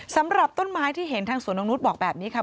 สำหรับต้นไม้ที่เห็นทางสวนน้องนุษย์บอกแบบนี้ค่ะ